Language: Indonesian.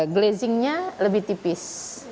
glazingnya lebih tipis